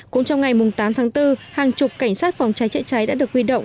cũng trong ngày tám tháng bốn hàng chục cảnh sát phòng cháy chạy cháy đã được quy động